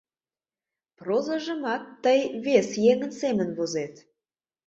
«Прозыжымат» тый вес еҥын семын возет.